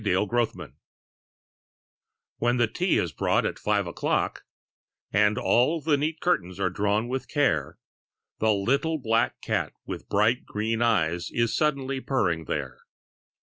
MILK FOR THE CAT When the tea is brought at five o'clock, And all the neat curtains are drawn with care, The little black cat with bright green eyes Is suddenly purring there.